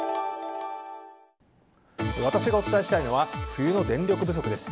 私がお伝えしたいのは冬の電力不足です。